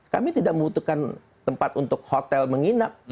kami tidak membutuhkan tempat untuk hotel menginap